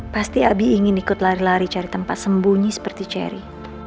pasti abi ingin ikut lari lari cari tempat sembunyi seperti cherry